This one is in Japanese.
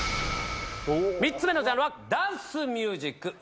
３つ目のジャンルは「ダンスミュージック」。